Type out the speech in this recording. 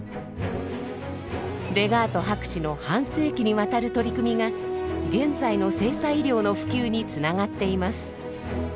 レガート博士の半世紀にわたる取り組みが現在の性差医療の普及につながっています。